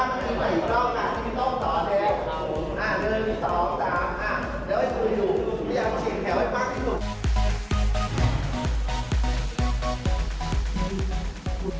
เดี๋ยวให้สุดดูอยากเชียงแถวให้มากนิดหนึ่ง